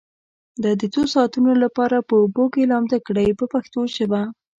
دا د څو ساعتونو لپاره په اوبو کې لامده کړئ په پښتو ژبه.